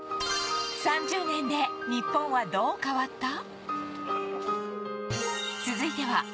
３０年で日本はどう変わった？